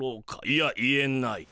いやいえない。